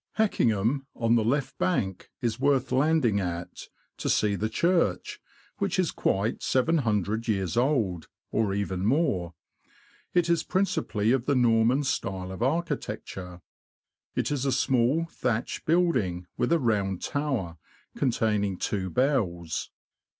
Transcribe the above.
Heckingham, on the left bank, is worth landing at, to see the church, which is quite 700 years old, or even more ; it is principally of the Norman style of architecture. It is a small, thatched building, with a round tower, containing two bells.